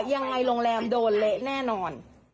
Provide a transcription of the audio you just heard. ยังไงโรงแรมโดนเละแน่นอน